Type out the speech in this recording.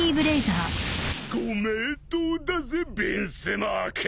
ご名答だぜヴィンスモーク。